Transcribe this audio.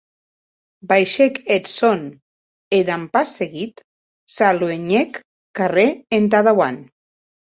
Baishèc eth sòn, e, damb pas seguit, s’aluenhèc carrèr entà dauant.